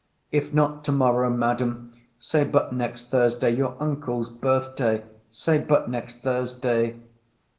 If not to morrow, Madam, say but next Thursday, your uncle's birth day; say but next Thursday!